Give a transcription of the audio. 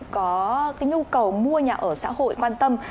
có nhu cầu mua nhà ở xã hội quan tâm